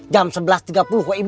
jam sebelas tiga puluh